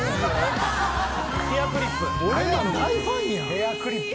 ヘアクリップ。